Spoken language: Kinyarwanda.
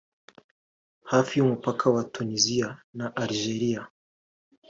hafi y’umupaka wa Tuniziya na Algeria